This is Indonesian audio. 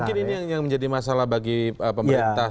mungkin ini yang menjadi masalah bagi pemerintah